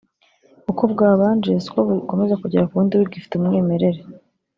uko bwabanje siko bukomeza kugera ku wundi bugifite umwimerere